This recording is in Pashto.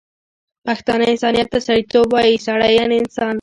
پښتانه انسانیت ته سړيتوب وايي، سړی یعنی انسان